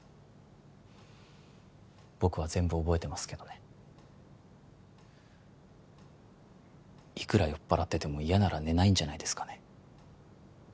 僕は全部覚えてますけどねいくら酔っ払ってても嫌なら寝ないんじゃないですかね？